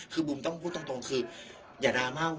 คือบุ๋มต้องพูดตรงคืออย่าดราม่า